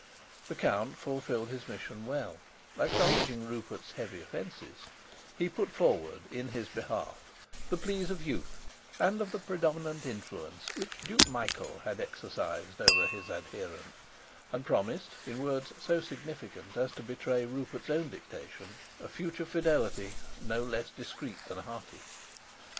The count fulfilled his mission well: acknowledging Rupert's heavy offences, he put forward in his behalf the pleas of youth and of the predominant influence which Duke Michael had exercised over his adherent, and promised, in words so significant as to betray Rupert's own dictation, a future fidelity no less discreet than hearty.